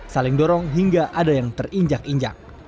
saling dorong hingga ada yang terinjak injak